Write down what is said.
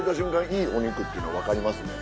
いいお肉っていうのわかりますね。